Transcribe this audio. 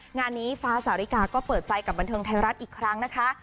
งานนี้ฟ้าสาริกาก็เปิดใจกับบันเทิงไทยรัฐอีกครั้งนะคะ